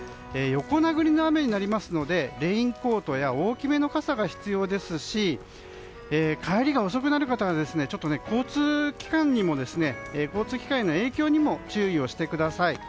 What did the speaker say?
横殴りの雨になりますのでレインコートや大きめの傘が必要ですし帰りが遅くなる方はちょっと交通機関への影響にも注意をしてください。